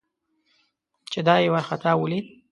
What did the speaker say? چې دای یې ورخطا ولید.